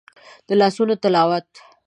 د لاسونو تلاوت